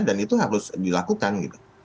dan itu harus dilakukan gitu